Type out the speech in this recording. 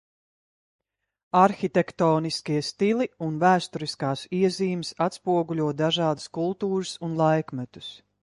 Arhitektoniskie stili un vēsturiskās iezīmes atspoguļo dažādas kultūras un laikmetus.